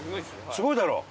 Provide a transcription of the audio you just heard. すごいだろう？